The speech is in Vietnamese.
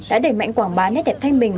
đã đẩy mạnh quảng bá nét đẹp thanh mình